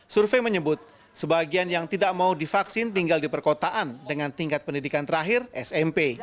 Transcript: survei menyebut sebagian yang tidak mau divaksin tinggal di perkotaan dengan tingkat pendidikan terakhir smp